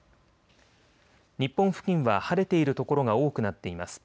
日本付近は晴れている所が多くなっています。